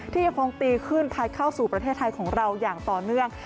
ยังคงตีขึ้นพัดเข้าสู่ประเทศไทยของเราอย่างต่อเนื่อง